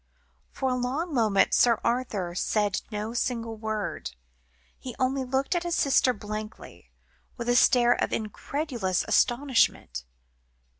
For a long moment Sir Arthur said no single word; he only looked at his sister blankly, with a stare of incredulous astonishment.